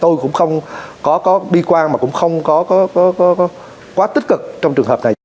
tôi cũng không có bi quan mà cũng không có quá tích cực trong trường hợp này